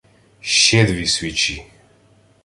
— Ще дві свічі!